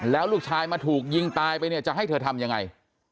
แล้วลูกชายมาถูกยิงตายไปเนี่ยจะให้เธอทำยังไง